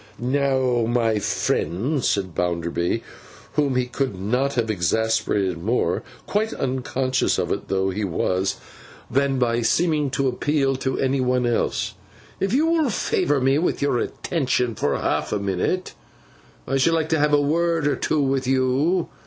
'Now, my friend,' said Mr. Bounderby, whom he could not have exasperated more, quite unconscious of it though he was, than by seeming to appeal to any one else, 'if you will favour me with your attention for half a minute, I should like to have a word or two with you.